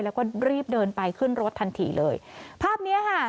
แล้วก็รีบเดินไปขึ้นรถทันทีเลยภาพเนี้ยค่ะ